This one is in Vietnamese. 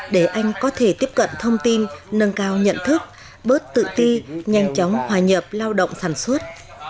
để anh có thể tiếp cận thông tin nâng cao nhận thức bớt tự ti nhanh chóng hòa nhập lao động sản xuất